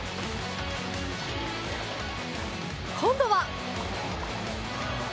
今度は。